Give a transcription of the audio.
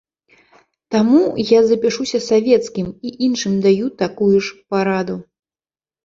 Таму я запішуся савецкім, і іншым даю такую ж параду.